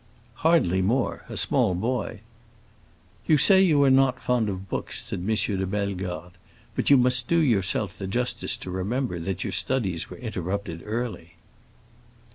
"Hardly more—a small boy." "You say you are not fond of books," said M. de Bellegarde; "but you must do yourself the justice to remember that your studies were interrupted early."